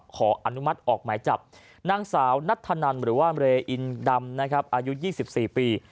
ขออนุมัติออกหมายจับนางสาวนัทธนันหรือว่าเรอินดำนะครับอายุ๒๔ปี